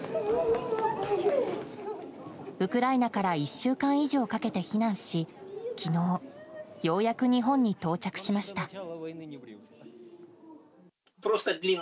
ウクライナから１週間以上かけて避難し昨日ようやく日本に到着しました。